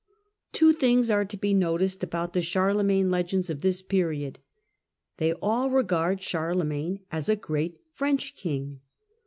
Two things are to be noticed about the Charlemagne Charles as jends of this period. They all regard Charlemagne j^g encb a great .French king.